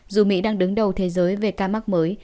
dù mỹ đang đứng đầu thế giới về ca mắc mới